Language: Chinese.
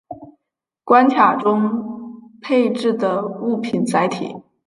关卡中配置的物品载体。